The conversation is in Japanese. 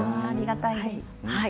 ありがたいです。